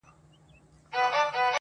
د نښتر وني جنډۍ سوې د قبرونو؛